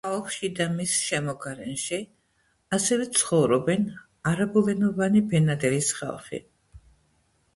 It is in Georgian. ქალაქში და მის შემოგარენში ასევე ცხოვრობენ არაბულენოვანი ბენადირის ხალხი.